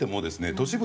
都市部